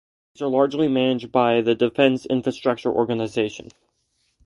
These are largely managed by the Defence Infrastructure Organisation.